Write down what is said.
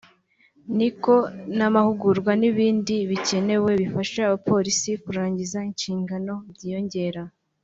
niko n’amahugurwa n’ibindi bikenewe bifasha abapolisi kurangiza inshingano byiyongera